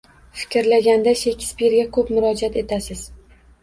— Fikrlaganda Shekspirga ko‘p murojaat etasiz